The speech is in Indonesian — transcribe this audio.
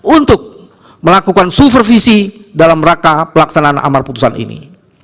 untuk melakukan supervisi dalam rangka pelaksanaan amar putusan ini